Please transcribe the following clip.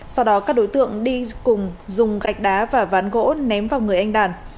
sau đó các đối tượng đi cùng dùng gạch đá và ván gỗ ném vào người anh đàn